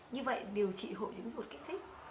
như vậy điều trị hội chứng ruột kích thích